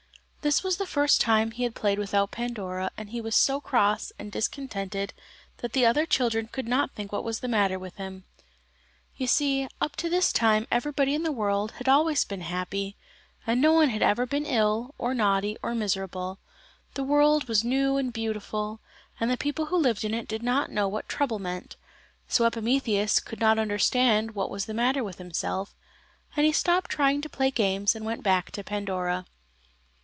This was the first time he had played without Pandora, and he was so cross and discontented that the other children could not think what was the matter with him. You see, up to this time everybody in the world had always been happy, no one had ever been ill, or naughty, or miserable; the world was new and beautiful, and the people who lived in it did not know what trouble meant. So Epimetheus could not understand what was the matter with himself, and he stopped trying to play games and went back to Pandora.